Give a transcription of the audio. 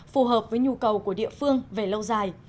phù hợp với nhu cầu của địa phương về lâu dài